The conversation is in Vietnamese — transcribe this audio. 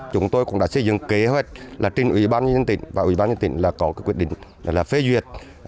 chúng tôi cũng đã xây dựng kế hoạch trên ủy ban nhân tỉnh và ủy ban nhân tỉnh có quyết định phê duyệt